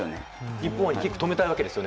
日本はキックを止めたいわけですよね。